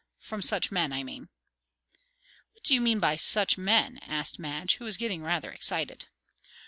From such men, I mean." "What do you mean by 'such men'?" asked Madge, who was getting rather excited.